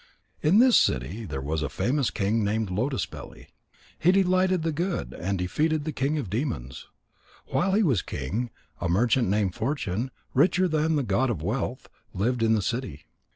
In this city there was a famous king named Lotus belly. He delighted the good, and defeated the king of the demons. While he was king, a merchant named Fortune, richer than the god of wealth, lived in the city.